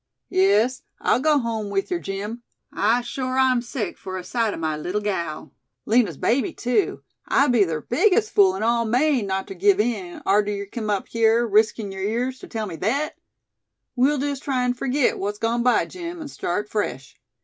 "Yes, I'll go home with yer, Jim! I shore I'm sick fur a sight o' my leetle gal. Lina's baby too I'd be ther biggest fool in all Maine, not ter give in, arter yer kim up hyar, riskin' yer ears ter tell me thet! We'll jest try an' furgit what's gone by, Jim, an' start fresh.